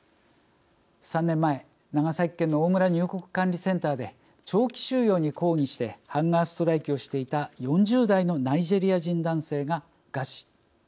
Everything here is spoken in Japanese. ３年前長崎県の大村入国管理センターで長期収容に抗議してハンガーストライキをしていた４０代のナイジェリア人男性が餓死。